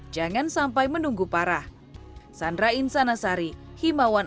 jangan sampai menunggu parah